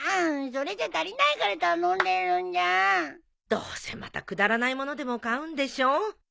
どうせまたくだらない物でも買うんでしょ。